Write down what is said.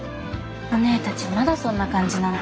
おねぇたちまだそんな感じなんだ。